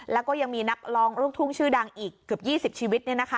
แล้วก็ยังมีนักร้องลูกทุ่งชื่อดังอีกเกือบ๒๐ชีวิต